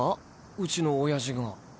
うちの親父が。